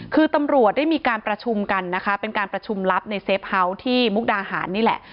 คือตำรวจได้มีการประชุมกันนะคะเป็นการประชุมลับในเฟฟเฮาส์ที่มุกดาหารนี่แหละ